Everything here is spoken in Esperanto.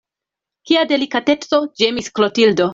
Kia delikateco, ĝemis Klotildo.